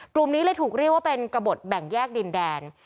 กลุ่มนี้เลยถูกเรียกว่าเป็นกระบดแบ่งแยกดินแดน